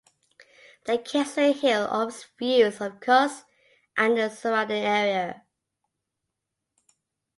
The castle hill offers views of Khust and the surrounding area.